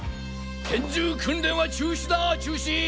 拳銃訓練は中止だ中止！！